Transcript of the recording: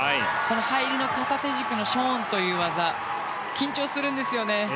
入りの片手軸のショーンという技緊張するんですよね。